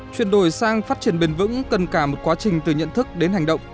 chuyển đổi sang phát triển bền vững cần cả một quá trình từ nhận thức đến hành động